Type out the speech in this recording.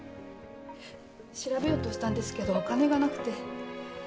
調べようとしたんですけどお金がなくて。